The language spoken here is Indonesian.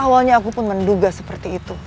awalnya aku pun menduga seperti itu